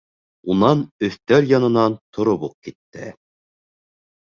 Унан өҫтәл янынан тороп уҡ китте.